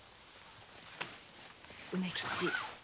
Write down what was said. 梅吉